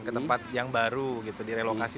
ke tempat yang baru gitu direlokasi